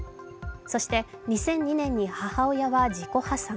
そして２００２年に母親は自己破産。